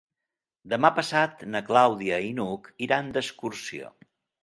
Demà passat na Clàudia i n'Hug iran d'excursió.